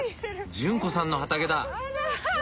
潤子さんの畑だ。